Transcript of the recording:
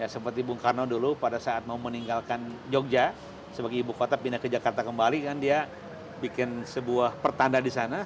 seperti bung karno dulu pada saat mau meninggalkan jogja sebagai ibu kota pindah ke jakarta kembali kan dia bikin sebuah pertanda di sana